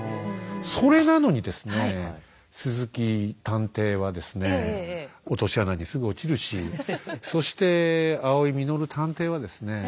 それなのにですね鈴木探偵はですね落とし穴にすぐ落ちるしそして青井実探偵はですね